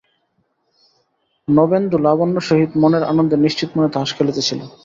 নবেন্দু লাবণ্যর সহিত মনের আনন্দে নিশ্চিতমনে তাস খেলিতেছিল।